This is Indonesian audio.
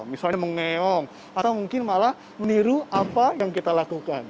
misalnya mengeong atau mungkin malah meniru apa yang kita lakukan